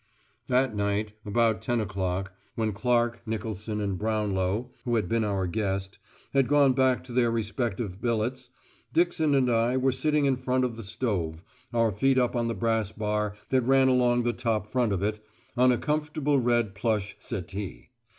That night, about ten o'clock, when Clark, Nicolson, and Brownlow (who had been our guest) had gone back to their respective billets, Dixon and I were sitting in front of the stove, our feet up on the brass bar that ran along the top front of it, on a comfortable red plush settee.